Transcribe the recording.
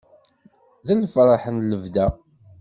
D lferḥ n lebda.